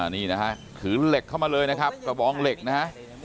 นี่นะฮะถือเหล็กเข้ามาเลยนะครับกระบองเหล็กนะฮะ